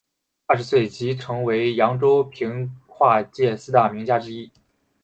二十岁时即成为扬州评话界四大名家之一。